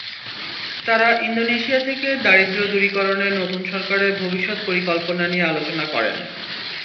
তাঁরা ইন্দোনেশিয়া থেকে দারিদ্র্য দূরীকরণে নতুন সরকারের ভবিষ্যৎ পরিকল্পনা নিয়ে আলোচনা করেন।